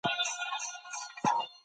که بې پروايي ونه شي ستونزه نه پېښېږي.